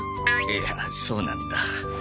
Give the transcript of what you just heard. えっそうなんだ。